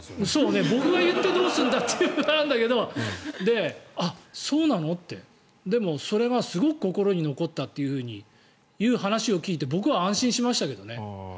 そう、僕が言ってどうすんのって感じだけどでも、それがすごく心に残ったという話を聞いて僕は安心しましたけどね。